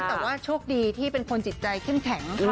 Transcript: แต่ว่าโชคดีที่เป็นคนจิตใจแข็งค่ะ